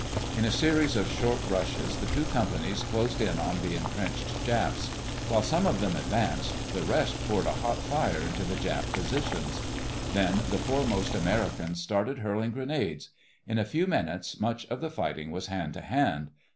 In a series of short rushes the two companies closed in on the entrenched Japs. While some of them advanced the rest poured a hot fire into the Jap positions. Then the foremost Americans started hurling grenades. In a few minutes much of the fighting was hand to hand.